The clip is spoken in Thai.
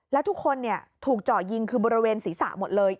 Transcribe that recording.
แล้วทุกคนถูกเจาะยิงคือบริเวณศีรษะหมดเลย